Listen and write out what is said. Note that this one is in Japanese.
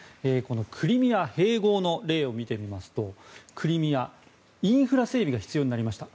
クリミア併合の例を見てみますとクリミア、インフラ整備が必要になりました。